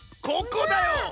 ここだよ！